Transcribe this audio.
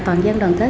toàn dân đoàn tết